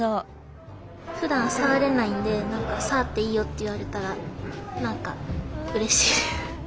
ふだんさわれないんで何かさわっていいよって言われたら何かうれしい。